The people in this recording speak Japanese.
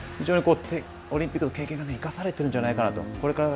非常にオリンピックの経験が生かされているんじゃないかなと。